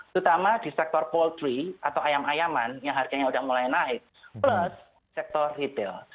terutama di sektor poltrey atau ayam ayaman yang harganya sudah mulai naik plus sektor retail